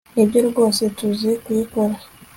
Nibyo rwose tuzi kuyikora